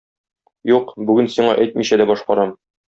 Юк, бүген сиңа әйтмичә дә башкарам.